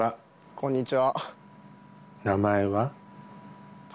こんにちは。